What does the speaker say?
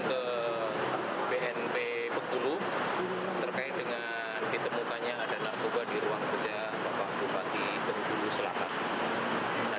ke bnp bengkulu terkait dengan ditemukannya ada narkoba di ruang kerja bapak bupati bengkulu selatan dan